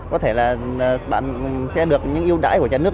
có thể là bạn sẽ được những yêu đãi của nhà nước